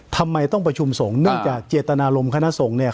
ทำไมต้องประชุมสงฆ์เนื่องจากเจตนารมณคณะสงฆ์เนี่ย